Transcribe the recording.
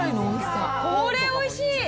これ、おいしい！